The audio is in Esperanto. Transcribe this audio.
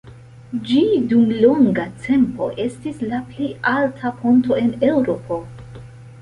Ĝi dum longa tempo estis la plej alta ponto en Eŭropo.